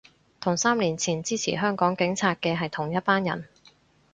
同三年前支持香港警察嘅係同一班人